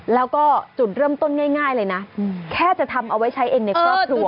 แล้วก็จุดเริ่มต้นง่ายเลยนะแค่จะทำเอาไว้ใช้เองในครอบครัว